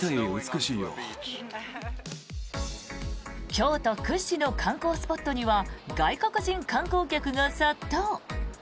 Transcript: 京都屈指の観光スポットには外国人観光客が殺到。